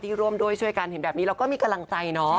ร่วมด้วยช่วยกันเห็นแบบนี้เราก็มีกำลังใจเนาะ